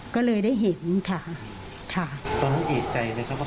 ก็เลยได้เห็นค่ะ